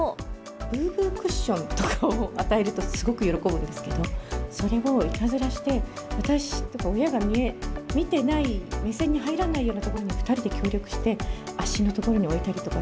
ブーブークッションとかを与えるとすごく喜ぶんですけど、それをいたずらして、私とか親が見てない、目線に入らないような所に、２人で協力して、足の所に置いたりとか。